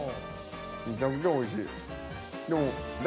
めちゃくちゃおいしい。